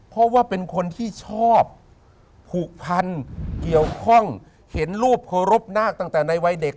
เพราะว่าเป็นคนที่ชอบผูกพันเกี่ยวข้องเห็นรูปเคารพนาคตั้งแต่ในวัยเด็ก